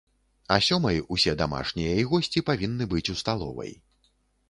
А сёмай усе дамашнія і госці павінны быць у сталовай.